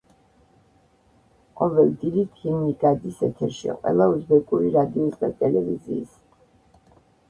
ყოველ დილით, ჰიმნი გადის ეთერში ყველა უზბეკური რადიოს და ტელევიზიის.